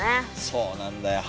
そうなんだよ。